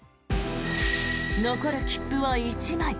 残る切符は１枚。